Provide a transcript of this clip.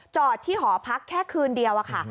จอดที่หอพักแค่คืนเดียวค่ะ